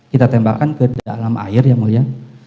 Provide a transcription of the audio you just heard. kita tembakan ke dalam air ya mulia